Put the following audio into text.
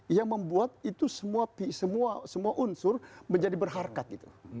yang membuat itu semua unsur menjadi berharga gitu